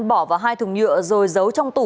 bỏ vào hai thùng nhựa rồi giấu trong tủ